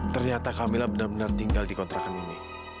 ternyata kamila benar benar tinggal di kontrakan ini